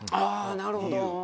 なるほど。